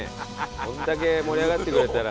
これだけ盛り上がってくれたら。